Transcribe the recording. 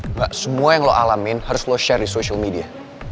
nggak semua yang lo alamin harus lo share di social media